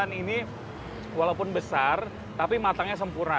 dan ini walaupun besar tapi matangnya sempurna